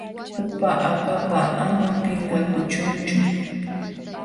Upa akapa ama pinqakuchunchu.